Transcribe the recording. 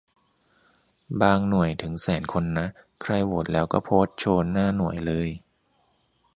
บางหน่วยถึงแสนคนนะ ใครโหวตแล้วก็โพสต์โชว์หน้าหน่วยเลย